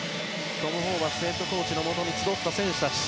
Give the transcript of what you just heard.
トム・ホーバスヘッドコーチのもとに集った選手たち。